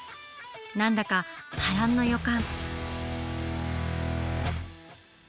何だか波乱の予感。